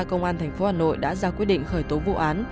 công an thành phố hà nội đã ra quyết định khởi tố vụ án